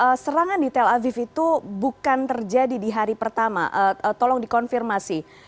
apakah serangan di tel aviv itu bukan terjadi di hari pertama tolong dikonfirmasi